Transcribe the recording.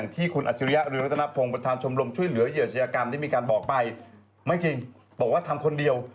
ที่ผ่านมาเนี่ย